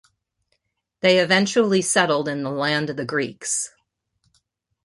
They eventually settled in the land of the Greeks.